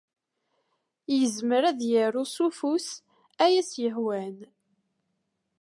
Yezmer ad yaru s ufus ay as-yehwan.